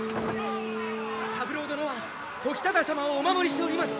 三郎殿は時忠様をお守りしております。